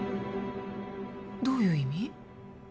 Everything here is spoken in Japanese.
どういう意味？